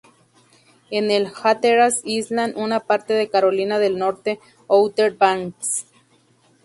Es el Hatteras Island, una parte de Carolina del Norte Outer Banks..